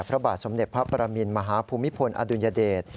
พระบาทสมเด็จพระปรมินมหาภูมิพลอดุลยเดช